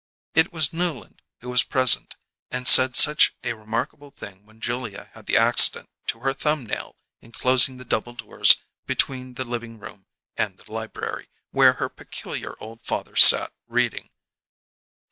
It was Newland who was present and said such a remarkable thing when Julia had the accident to her thumb nail in closing the double doors between the living room and the library, where her peculiar old father sat reading.